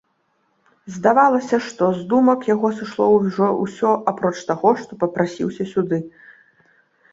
Здавалася, што з думак яго сышло ўжо ўсё, апроч таго, што папрасіўся сюды.